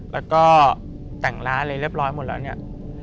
แล้วก็แต่งร้านอะไรเรียบร้อยหมดแล้วเนี่ย